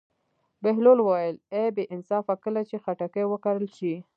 بهلول وویل: ای بې انصافه کله چې خټکی وکرل شي.